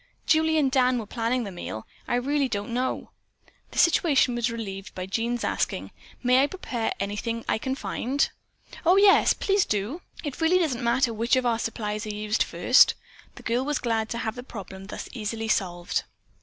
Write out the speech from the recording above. "Julie and Dan were planning the meal. I really don't know." The situation was relieved by Jean's asking: "May I prepare anything I can find?" "Oh, yes, do please! It really doesn't matter which of our supplies are used first." The girl was glad to have the problem thus easily solved.